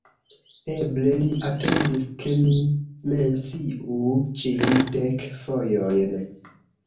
Eble li atendis, ke mi menciu ĝin dek fojojn.